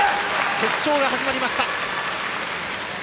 決勝が始まりました。